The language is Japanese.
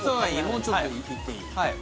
もうちょっといっていい？